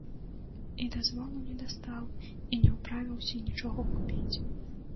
І дазволу не дастаў, і не ўправіўся нічога купіць.